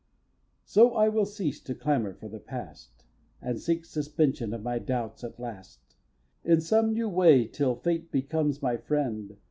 xx. So I will cease to clamour for the past, And seek suspension of my doubts at last, In some new way till Fate becomes my friend.